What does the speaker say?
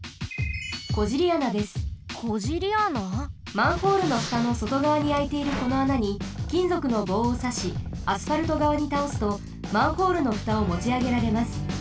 マンホールのふたのそとがわにあいているこの穴にきんぞくのぼうをさしアスファルトがわにたおすとマンホールのふたをもちあげられます。